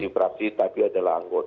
fraksi tapi adalah anggota